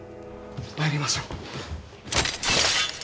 参りましょう。